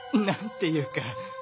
何ていうか。